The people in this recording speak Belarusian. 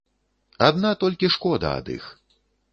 Адна толькі шкода ад іх.